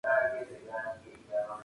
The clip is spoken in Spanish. El recíproco del teorema es falso.